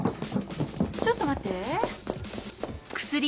ちょっと待って。